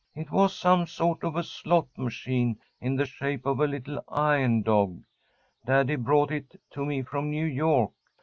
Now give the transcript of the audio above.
It was some sort of a slot machine in the shape of a little iron dog. Daddy brought it to me from New York.